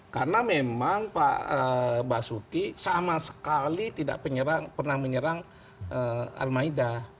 karena memang pak basuki sama sekali tidak pernah menyerang al maida